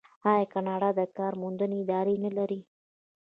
آیا کاناډا د کار موندنې ادارې نلري؟